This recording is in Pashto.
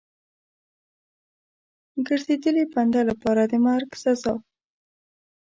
ګرځېدلي بنده لپاره د مرګ سزا.